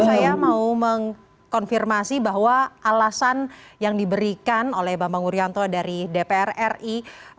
saya mau mengkonfirmasi bahwa alasan yang diberikan oleh bambang urianto dari dpr ri